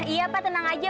iya pak tenang aja